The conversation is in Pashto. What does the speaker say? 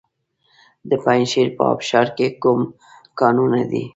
د پنجشیر په ابشار کې کوم کانونه دي؟